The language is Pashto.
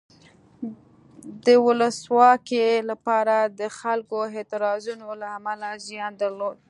د ولسواکۍ لپاره د خلکو اعتراضونو له امله زیان درلود.